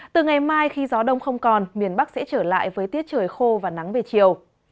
từ ngày mai khi gió đông không còn miền bắc sẽ trở lại với tiết trời khô và nắng về chiều